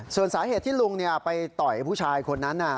ส่วนสาเหตุที่ลุงไปต่อยผู้ชายคนนั้น